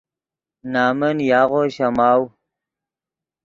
نَمن یاغو شَماؤ